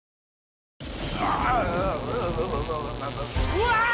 うわ！